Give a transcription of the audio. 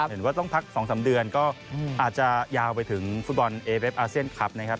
เห็นว่าต้องพัก๒๓เดือนก็อาจจะยาวไปถึงฟุตบอลเอเวฟอาเซียนคลับนะครับ